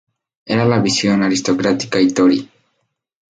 Era la visión aristocrática y tory.